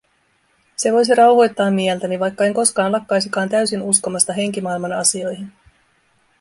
Se voisi rauhoittaa mieltäni, vaikka en koskaan lakkaisikaan täysin uskomasta henkimaailman asioihin.